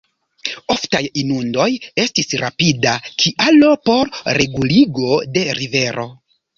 Oftaj inundoj estis rapida kialo por reguligo de rivero.